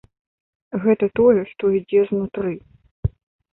Гэта тое, што ідзе знутры.